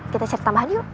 kita cari tambahan yuk